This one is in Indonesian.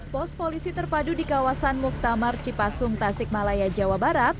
pos polisi terpadu di kawasan muktamar cipasung tasik malaya jawa barat